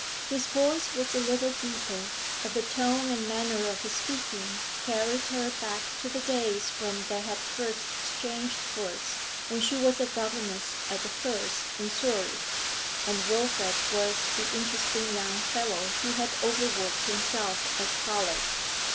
His voice was a little deeper, but the tone and manner of his speaking carried her back to the days when they had first exchanged words when she was a governess at The Firs in Surrey, and Wilfrid was the interesting young fellow who had overworked himself at college.